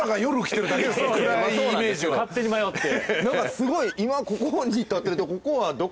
すごい今ここに立ってると。